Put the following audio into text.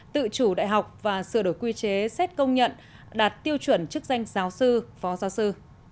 tự chủ đại học và sửa đổi quy chế xét công nhận đạt tiêu chuẩn chức danh giáo sư phó giáo sư